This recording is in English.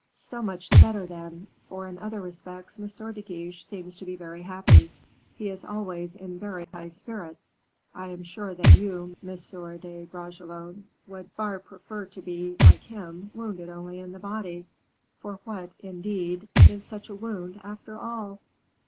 "So much the better, then, for, in other respects, M. de Guiche seems to be very happy; he is always in very high spirits. I am sure that you, Monsieur de Bragelonne, would far prefer to be, like him, wounded only in the body... for what, in deed, is such a wound, after all!"